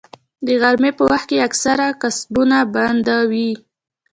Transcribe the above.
د غرمې په وخت کې اکثره کسبونه بنده وي